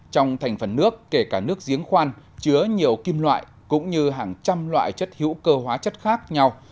trong thành phần nước kể cả nước giếng khoan chứa nhiều kim loại cũng như hàng trăm loại chất hữu cơ hóa chất khác nhau